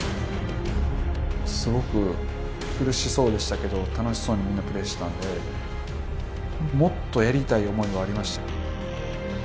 すごく苦しそうでしたけど楽しそうにみんなプレーしてたんでもっとやりたい思いはありました。